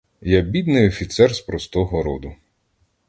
Я бідний офіцер, з простого роду.